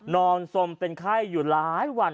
นอนสมเป็นไข้อยู่หลายวัน